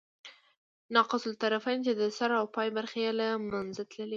ناقص الطرفین، چي د سر او پای برخي ئې له منځه تللي يي.